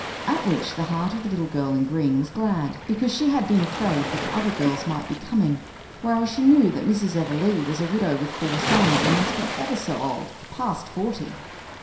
At which the heart of the Little Girl in Green was glad, because she had been afraid that other girls might be coming, whereas she knew that Mrs. Everleigh was a widow with four sons and must be ever so old, past forty.